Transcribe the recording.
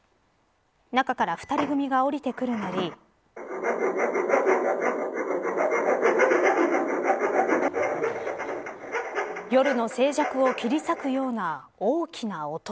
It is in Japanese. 中から２人組が降りてくるなり夜の静寂を切り裂くような大きな音。